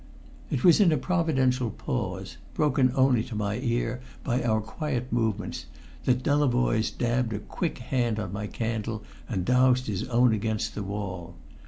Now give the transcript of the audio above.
It was in a providential pause, broken only to my ear by our quiet movements, that Delavoye dabbed a quick hand on my candle and doused his own against the wall.